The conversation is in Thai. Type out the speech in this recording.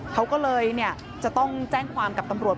เขาก็เลยจะต้องแจ้งความกับตำรวจ